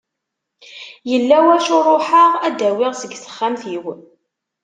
Yella wacu ruḥeɣ ad d-awiɣ seg texxamt-iw.